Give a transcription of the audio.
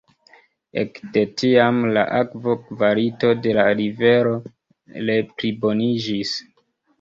Ek de tiam la akvo-kvalito de la rivero re-pliboniĝis.